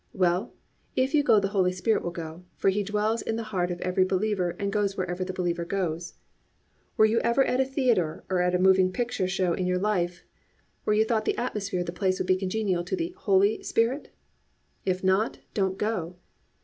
Well, if you go the Holy Spirit will go; for He dwells in the heart of every believer and goes wherever the believer goes. Were you ever at a theatre or at a moving picture show in your life where you thought the atmosphere of the place would be congenial to the Holy Spirit? If not, don't go.